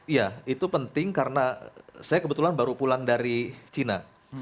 iya itu penting karena saya kebetulan baru pulang dari cina